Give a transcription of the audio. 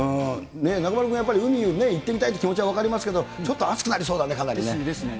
中丸君、やっぱり海行ってみたいという気持ち分かりますけど、ちょっと暑ですね、ですね。